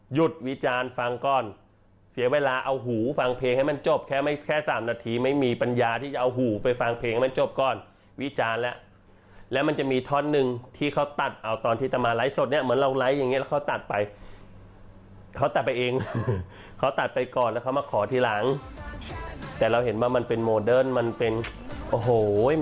วิจารณ์ฟังก่อนเสียเวลาเอาหูฟังเพลงให้มันจบแค่ไม่แค่สามนาทีไม่มีปัญญาที่จะเอาหูไปฟังเพลงให้มันจบก่อนวิจารณ์แล้วแล้วมันจะมีท่อนหนึ่งที่เขาตัดเอาตอนที่จะมาไลฟ์สดเนี่ยเหมือนเราไลค์อย่างเงี้แล้วเขาตัดไปเขาตัดไปเองนะเขาตัดไปก่อนแล้วเขามาขอทีหลังแต่เราเห็นว่ามันเป็นโมเดิร์นมันเป็นโอ้โห